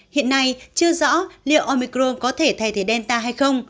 hiện nay chưa rõ liệu omicron có thể thay thế delta hay không